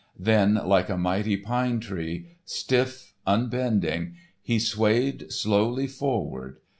Then, like a mighty pine tree, stiff, unbending, he swayed slowly forward.